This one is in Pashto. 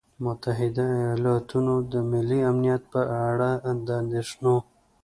متحدو ایالتونو د ملي امنیت په اړه د اندېښنو